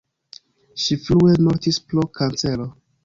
Ŝi frue mortis pro kancero.